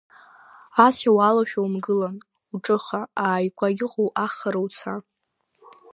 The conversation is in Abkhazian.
Ацәа уалоушәа умгылан, уҿыха, ааигәа иҟоу ахара уца.